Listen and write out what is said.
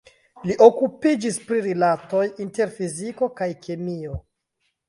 Li okupiĝis pri rilatoj inter fiziko kaj kemio.